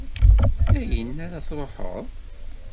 Ayen ara truḥeḍ?